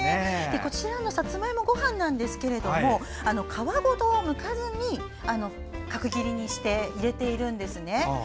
こちらのさつまいもごはんですが皮ごとむかずに角切りにして入れているんですね。